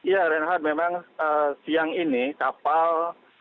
ya reinhardt memang siang ini kapal